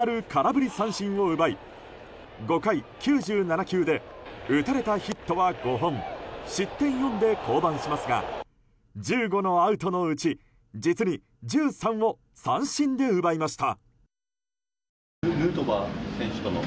５回には、ヌートバーから３つ目となる空振り三振を奪い５回９７球で、打たれたヒットは５本、失点４で降板しますが１５のアウトのうち実に１３を三振で奪いました。